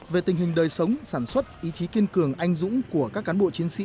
về tình hình đời sống sản xuất ý chí kiên cường anh dũng của các cán bộ chiến sĩ